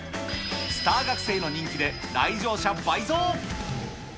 スター学生の人気で来場者倍増。